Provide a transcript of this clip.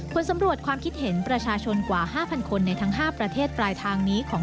ผลสำรวจความคิดเห็นประชาชนกว่า๕๐๐คนในทั้ง๕ประเทศปลายทางนี้ของ